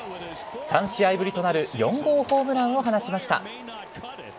３試合ぶりとなる４号ホームランを放ちました。